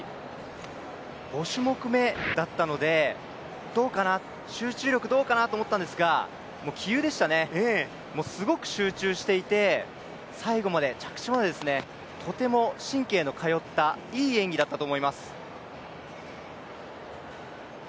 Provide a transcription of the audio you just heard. ５種目めだったので、集中力どうかなと思ったんですが杞憂でしたね、すごく集中していて最後まで着地までとても神経の通ったいい演技だったと思います。